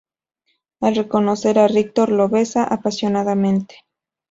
Al reconocer a Rictor, lo besa apasionadamente.